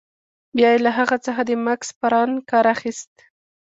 بیا يې له هغه څخه د مګس پران کار اخیست.